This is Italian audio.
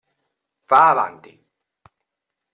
Va' avanti!